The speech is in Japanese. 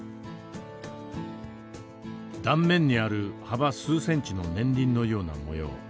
断面にある幅数センチの年輪のような模様。